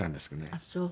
ああそう。